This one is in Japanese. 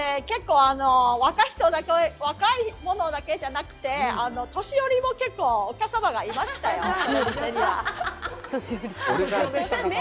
結構、若い人だけじゃなくて、年寄りも結構お客様がいましたよ。